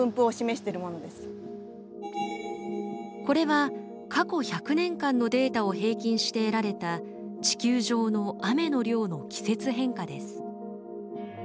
これは過去１００年間のデータを平均して得られた地球上の雨の量の季節変化です。